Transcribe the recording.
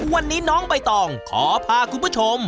วันนี้น้องใบตองขอพาคุณผู้ชม